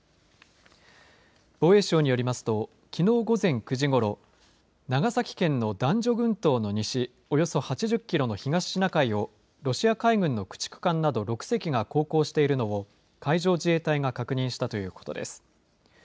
防衛省によりますときのう午前９時ごろ長崎県の男女群島の西およそ８０キロの東シナ海をロシア海軍の駆逐艦など６隻が航行しているのを海上自衛隊が確認したということです。